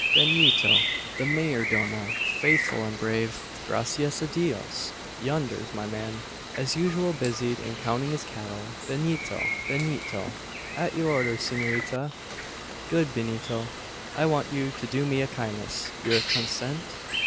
Benito, the mayor domo faithful and brave. Gracias a Dios! Yonder's my man as usual busied in counting his cattle. Benito! Benito!" "At your orders, s'norita?" "Good Benito, I want you to do me a kindness. You consent?"